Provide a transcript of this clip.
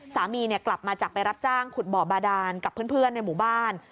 สามีกลับมาจากไปรับจ้างขุดบ่อบาดานกับเพื่อนในหมู่บ้าน